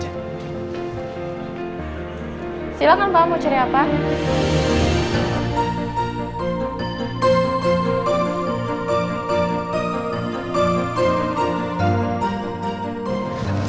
silahkan pak mau cari apa